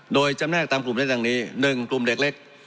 โดยจำแนกตามกลุ่มได้ดังนี้๑กลุ่มเด็กเล็ก